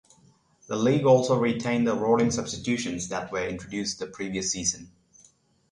The league also retained the rolling substitutions that were introduced the previous season.